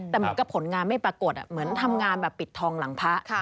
แต่เหมือนกับผลงานไม่ปรากฏเหมือนทำงานแบบปิดทองหลังพระ